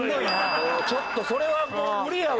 もうちょっとそれはもう無理やわ。